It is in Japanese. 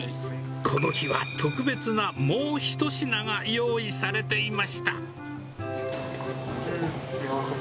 この日は特別なもう一品が用意されていました。